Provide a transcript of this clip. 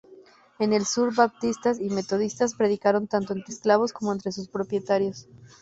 En el sur, baptistas y metodistas predicaron tanto entre esclavos como entre sus propietarios.